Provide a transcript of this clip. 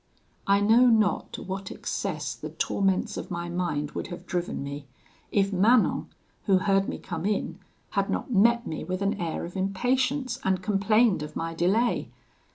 "I know not to what excess the torments of my mind would have driven me, if Manon, who heard me come in, had not met me with an air of impatience, and complained of my delay.